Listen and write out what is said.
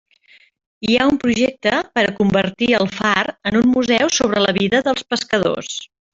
Hi ha un projecte per a convertir el far en un museu sobre la vida dels pescadors.